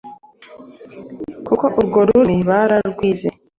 kuko urwo rurimi bararwize